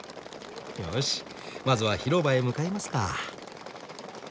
よしまずは広場へ向かいますか。